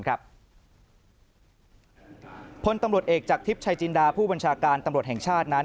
ผลตำรวจเอกจากทิพย์ชายจินดาผู้บัญชาการตำรวจแห่งชาตินั้น